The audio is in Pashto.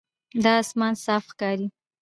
دا آسمان صاف ښکاري.